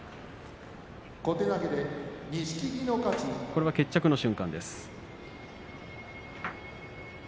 これは決着の瞬間です。